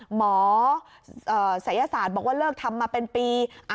หมอศัยศาสตร์บอกว่าเลิกทำมาเป็นปี